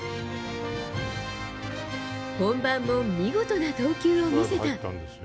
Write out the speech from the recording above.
本番も見事な投球を見せた。